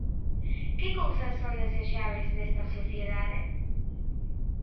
Que cousas son desexábeis nesta sociedade.